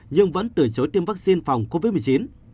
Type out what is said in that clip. nhưng vẫn từ chối tiêm vaccine phòng covid một mươi chín